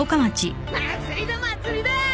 祭りだ祭りだ！